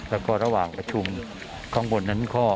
แล้วก็ระหว่างประชุมข้างบนนั้นก็